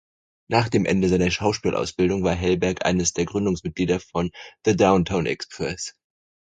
Nach dem Ende seiner Schauspielausbildung war Helberg eines der Gründungsmitglieder von „The Downtown Express“.